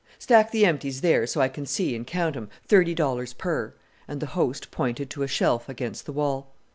"Stack the empties there so I can see and count 'em; thirty dollars per," and the host pointed to a shelf against the wall.